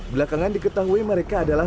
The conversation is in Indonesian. belakangan diketahui mereka adalah